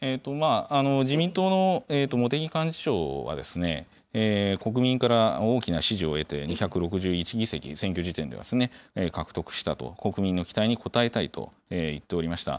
自民党の茂木幹事長は、国民から大きな支持を得て２６１議席、選挙時点では獲得したと、国民の期待に応えたいと言っておりました。